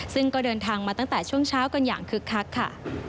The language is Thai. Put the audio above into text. ซึ่งก็เดินทางมาตั้งแต่ช่วงเช้ากันอย่างคึกคักค่ะ